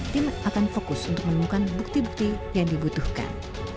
tim akan fokus untuk menemukan bukti bukti yang dibutuhkan